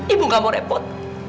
ibu gak mau repot